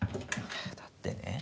だってね